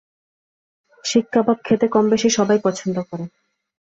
শিক কাবাব খেতে কমবেশি সবাই পছন্দ করেন।